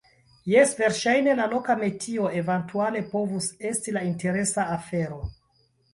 Jes, verŝajne, la loka metio eventuale povus esti la interesa afero.